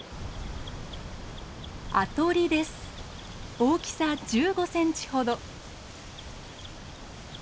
大きさ１５センチほど。